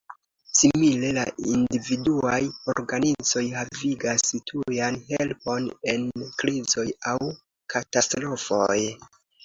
Simile, la individuaj organizoj havigas tujan helpon en krizoj aŭ katastrofoj.